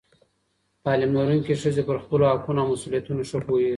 تعلیم لرونکې ښځې پر خپلو حقونو او مسؤلیتونو ښه پوهېږي.